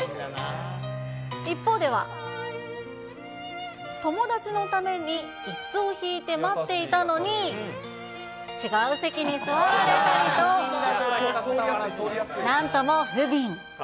一方では、友達のためにいすを引いて待っていたのに、違う席に座られたりと、なんとも不憫。